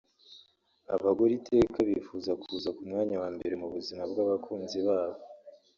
Abagore iteka bifuza kuza ku mwanya wa mbere mu buzima bw’abakunzi babo